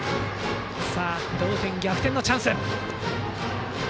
同点、逆転のチャンス。